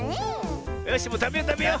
よしもうたべようたべよう。